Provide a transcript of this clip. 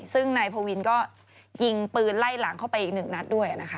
ซึ่งนายพวินก็ยิงปืนไล่หลังเข้าไปอีกหนึ่งนัดด้วยนะคะ